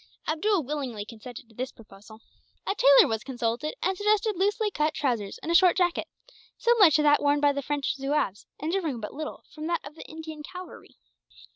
Abdool willingly consented to this proposal. A tailor was consulted, and suggested loosely cut trousers and a short jacket, similar to that now worn by the French zouaves, and differing but little from that of the Indian cavalry.